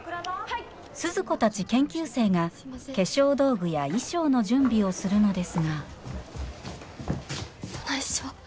鈴子たち研究生が化粧道具や衣装の準備をするのですがどないしよ。